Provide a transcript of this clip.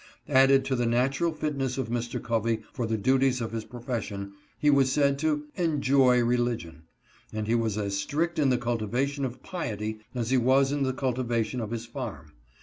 Added to the natural fitness of Mr. Covey for the duties of his profession, he was said " to enjoy religion," and he was as strict in the cultivation of piety as he was in the cultivation of his farm.